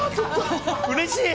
うれしい！